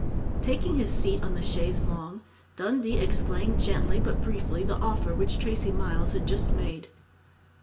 Taking his seat on the chaise longue, Dundee explained gently but briefly the offer which Tracey Miles had just made.